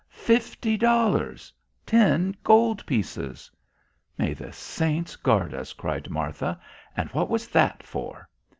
Fifty dollars! Ten gold pieces!" "May the saints guard us," cried Martha. "And what was that for?"